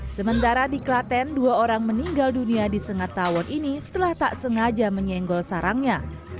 sementara di klaten dua orang meninggal dunia di sengat tawon ini setelah tak sengaja menyenggol sarangnya